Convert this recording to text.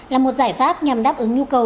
là một giải pháp nhằm đáp ứng nhu cầu